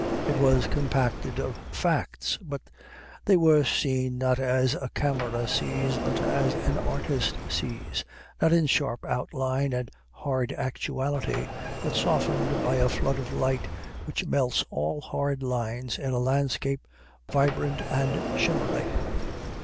It was compacted of facts, but they were seen not as a camera sees, but as an artist sees; not in sharp outline and hard actuality, but softened by a flood of light which melts all hard lines in a landscape vibrant and shimmering.